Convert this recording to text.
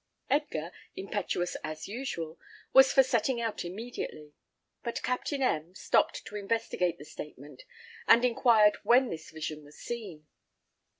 Edgar, impetuous as usual, was for setting out immediately; but Captain M stopped to investigate the statement, and inquired when this vision was seen.